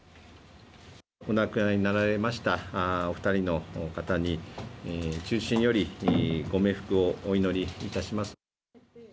お亡くなりになられましたお二人の方に衷心よりご冥福をお祈りいたします。